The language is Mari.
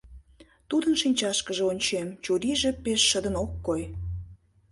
Тудын шинчашкыже ончем: чурийже пеш шыдын ок кой.